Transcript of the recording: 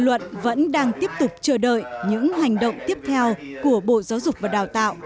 luận vẫn đang tiếp tục chờ đợi những hành động tiếp theo của bộ giáo dục và đào tạo